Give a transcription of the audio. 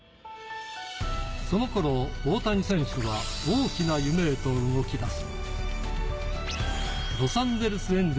その頃、大谷選手は大きな夢と動きだす。